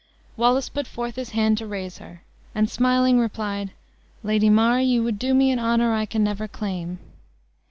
Wallace put forth both his hands to raise her; and smiling, replied, "Lady Mar, you would do me an honor I can never claim."